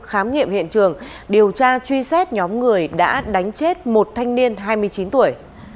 khám nghiệm hiện trường điều tra truy xét nhóm người đã đánh chết một thanh niên hai mươi chín tuổi